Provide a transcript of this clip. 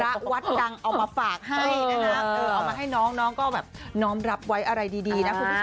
เอามาฝากให้น้องก็น้องรับไว้อะไรดี